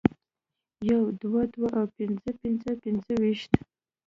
يو دوه دوه او پنځه پنځه پنځویشت